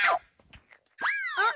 あっ！